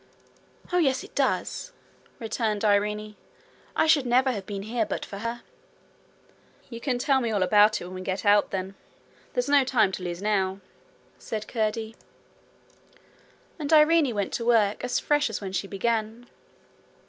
'Oh, yes, it does!' returned Irene. 'I should never have been here but for her.' 'You can tell me all about it when we get out, then. There's no time to lose now,'said Curdie. And Irene went to work, as fresh as when she began.